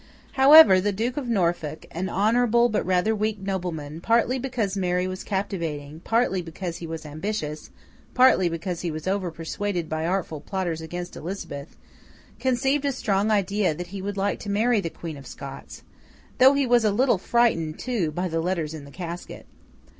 However, the Duke of Norfolk, an honourable but rather weak nobleman, partly because Mary was captivating, partly because he was ambitious, partly because he was over persuaded by artful plotters against Elizabeth, conceived a strong idea that he would like to marry the Queen of Scots—though he was a little frightened, too, by the letters in the casket.